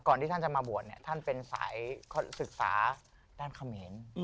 ที่ท่านจะมาบวชเนี่ยท่านเป็นสายศึกษาด้านเขมร